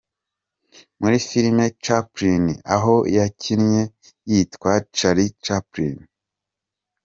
muri filime Chaplin aho yakinnye yitwa Charlie Chaplin.